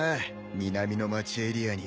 南の街エリアに。